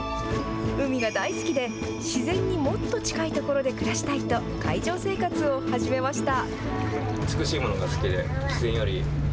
海が大好きで自然にもっと近いところで暮らしたいと海上生活を始めました。